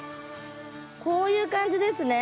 こういう感じですね。